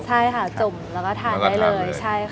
ใช่ค่ะจุ่มแล้วก็ทานได้เลย